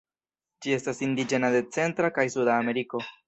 Ĝi estas indiĝena de Centra kaj Suda Ameriko.